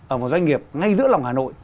ở một doanh nghiệp ngay giữa lòng hà nội